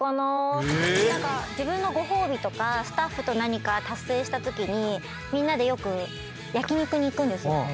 自分のご褒美とかスタッフと何か達成したときにみんなでよく焼き肉に行くんですよ。